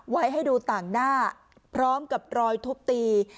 ไว้ให้ดูต่างหน้าพร้อมกับรอยทุบตี